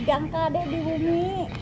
ganteng deh di bumi